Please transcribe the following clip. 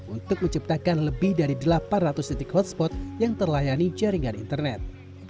untuk menciptakan lebih dari delapan ratus titik hotspot yang terlayani jaringan internet